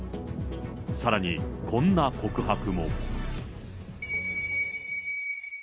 さらに、こんな告白も。